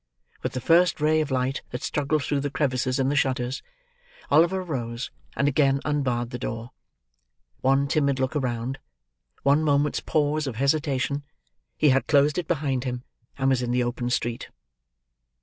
With the first ray of light that struggled through the crevices in the shutters, Oliver arose, and again unbarred the door. One timid look around—one moment's pause of hesitation—he had closed it behind him, and was in the open street.